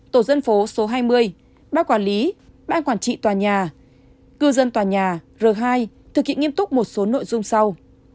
tổ dân phố số hai mươi ban quản lý ban quản trị tòa nhà cư dân tòa nhà r hai thực hiện nghiêm túc một số nội dung sau